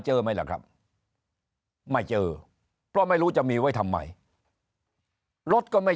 ไหมล่ะครับไม่เจอเพราะไม่รู้จะมีไว้ทำไมรถก็ไม่